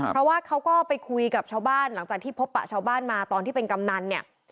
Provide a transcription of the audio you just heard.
เพราะว่าเขาก็ไปคุยกับชาวบ้านหลังจากที่พบปะชาวบ้านมาตอนที่เป็นกำนันเนี่ย